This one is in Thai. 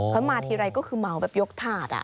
เขามาทีไรก็คือเหมาแบบยกถาด